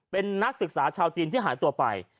เป็นนักศึกษาชาวจีนที่หายตัวไป